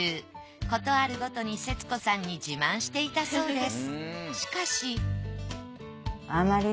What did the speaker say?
事あるごとにせつ子さんに自慢していたそうです。